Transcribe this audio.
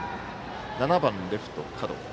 ７番レフト、角。